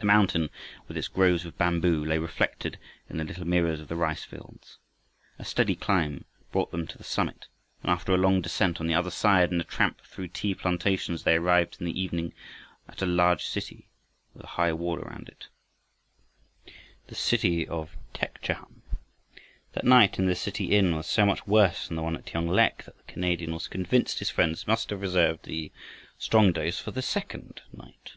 The mountain with its groves of bamboo lay reflected in the little mirrors of the rice fields. A steady climb brought them to the summit, and after a long descent on the other side and a tramp through tea plantations they arrived in the evening at a large city with a high wall around it, the city of Tek chham. That night in the city inn was so much worse than the one at Tionglek that the Canadian was convinced his friends must have reserved the "strong dose" for the second night.